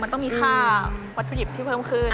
มันต้องมีค่าวัตถุดิบที่เพิ่มขึ้น